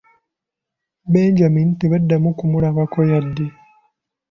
Benjamin tebaddamu kumulabako yadde.